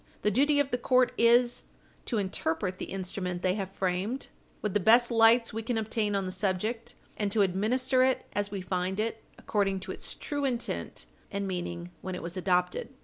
The duty of the court is to interpret the instrument they have framed with the best lights we can obtain on the subject, and to administer it as we find it, according to its true intent and meaning when it was adopted.